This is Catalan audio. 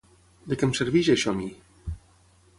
De què em serveix això ami?